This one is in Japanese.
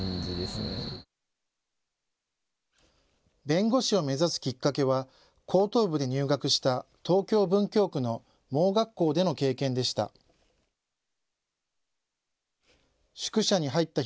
弁護士を目指すきっかけは高等部で入学した東京・文京区の盲学校での経験でした。